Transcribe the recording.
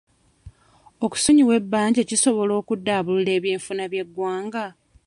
Okusonyiwa ebbanja kisobola okuddaabulula eby'enfuna by'eggwanga?